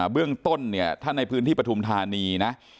เบื้องต้นเนี่ยถ้าในพื้นที่ปฐุมธานีนะ